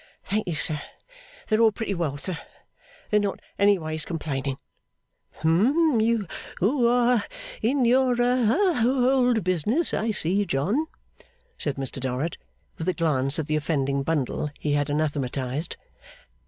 'Thank you, sir, They're all pretty well, sir. They're not any ways complaining.' 'Hum. You are in your ha old business I see, John?' said Mr Dorrit, with a glance at the offending bundle he had anathematised.